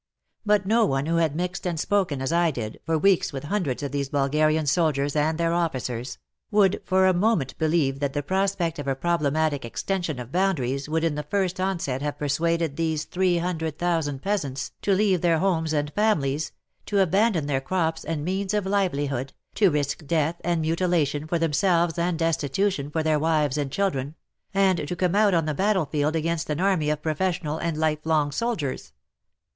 But no one who had mixed and spoken, as I did, for weeks with hundreds of these Bulgarian soldiers and their officers, would for a moment believe that the prospect of a problematic extension WAR AND WOMEN 171 of boundaries would in the first onset have persuaded these 300,000 peasants to leave their homes and families, to abandon their crops and means of livelihood, to risk death and mutilation for themselves and destitution for their wives and children, and to come out on the battlefield against an army of professional and life long soldiers.